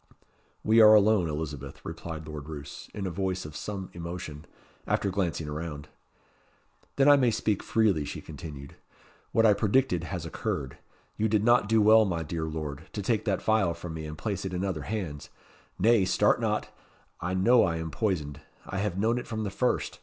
"We are alone, Elizabeth," replied Lord Roos, in a voice of some emotion, after glancing around. "Then I may speak freely," she continued. "What I predicted has occurred. You did not do well, my dear Lord, to take that phial from me and place it in other hands. Nay, start not! I know I am poisoned: I have known it from the first.